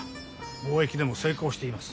貿易でも成功しています。